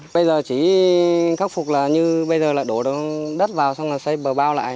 bây giờ chỉ khắc phục là như bây giờ là đổ đất vào xong là xây bờ bao lại